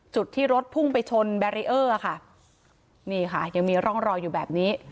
จุดที่รถพุ่งไปชนแบรีเออร์ค่ะนี่ค่ะยังมีร่องรอยอยู่แบบนี้